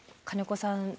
金子さん